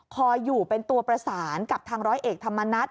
คอยอยู่เป็นตัวประสานกับทางร้อยเอกธรรมนัฐ